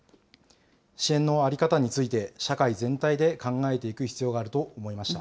支援の在り方について社会全体で考えていく必要があると思いました。